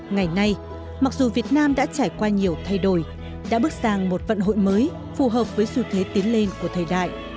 ngày nay mặc dù việt nam đã trải qua nhiều thay đổi đã bước sang một vận hội mới phù hợp với xu thế tiến lên của thời đại